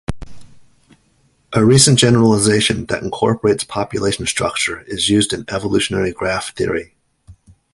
A recent generalization that incorporates population structure is used in evolutionary graph theory.